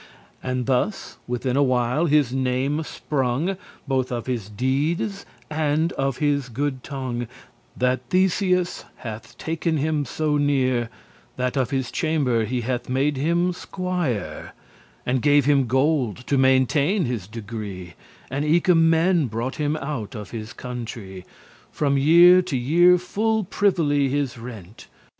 And thus within a while his name sprung Both of his deedes, and of his good tongue, That Theseus hath taken him so near, That of his chamber he hath made him squire, And gave him gold to maintain his degree; And eke men brought him out of his country From year to year full privily his rent.